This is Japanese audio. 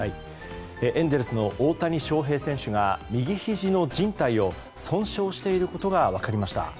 エンゼルスの大谷翔平選手が右ひじのじん帯を損傷していることが分かりました。